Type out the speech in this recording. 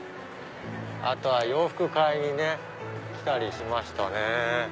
あとは洋服買いに来たりしましたね。